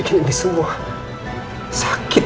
membuatkan saya sakit